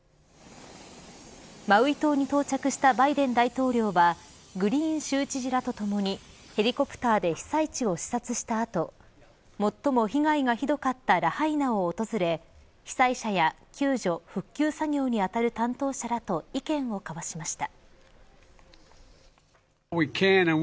マウイ島に到着したバイデン大統領はグリーン州知事らとともにヘリコプターで被災地を視察した後最も被害がひどかったラハイナを訪れ被災者や救助・復旧作業にあたる担当者らと意見を交わしました。